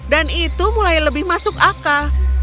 itu mulai lebih masuk akal